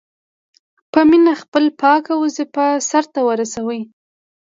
په مینه خپله پاکه وظیفه سرته ورسوي.